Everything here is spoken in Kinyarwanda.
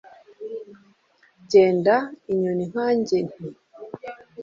Genda inyoni nkanjye nti